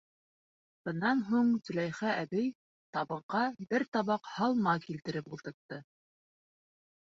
Бынан һуң Зөләйха әбей табынға бер табаҡ һалма килтереп ултыртты.